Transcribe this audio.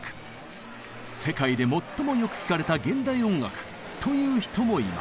「世界で最もよく聴かれた現代音楽」と言う人もいます。